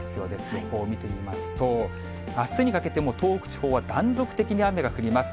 予報見てみますと、あすにかけても東北地方は断続的に雨が降ります。